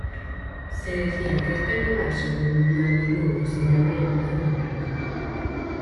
Se decía que este animal sobrevivió al Diluvio sin haber entrado en el Arca.